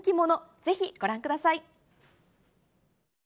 ぜひご覧ください。